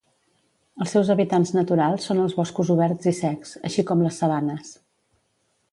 Els seus hàbitats naturals són els boscos oberts i secs, així com les sabanes.